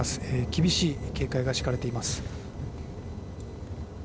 厳しい警戒が敷かれています。